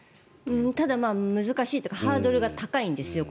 ただ、難しいというかハードルが高いんですよ